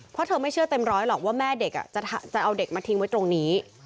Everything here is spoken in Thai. เพราะเธอไม่เชื่อเต็มร้อยหรอกว่าแม่เด็กจะเอาเด็กมาทิ้งไว้ตรงนี้